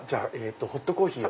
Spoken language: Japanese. ホットコーヒーを。